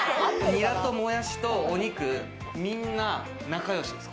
ニラともやしとお肉、みんな仲よしです。